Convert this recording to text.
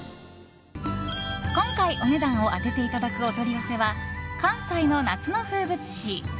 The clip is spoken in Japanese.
今回お値段を当てていただくお取り寄せは関西の夏の風物詩。